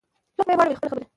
څوک به یې واړوي له خپل خبري